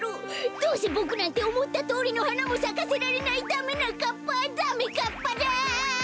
どうせボクなんておもったとおりのはなもさかせられないダメなかっぱダメかっぱだ！